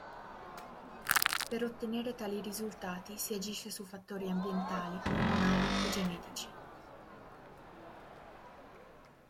Per ottenere tali risultati si agisce su fattori ambientali, ormonali e genetici.